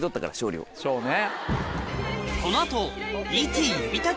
そうね。